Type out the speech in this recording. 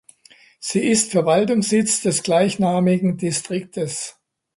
Sie ist Verwaltungssitz des gleichnamigen Distriktes.